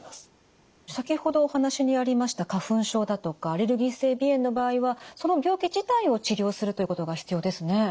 先ほどお話にありました花粉症だとかアレルギー性鼻炎の場合はその病気自体を治療するということが必要ですね。